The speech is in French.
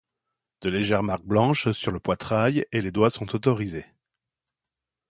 De légères marques blanches sur le poitrail et les doigts sont autorisées.